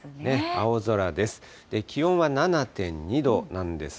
青空です。